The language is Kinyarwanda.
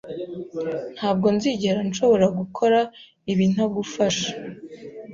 Ntabwo nzigera nshobora gukora ibi ntagufasha.